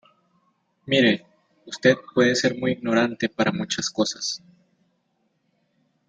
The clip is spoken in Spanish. mire, usted puede ser muy ignorante para muchas cosas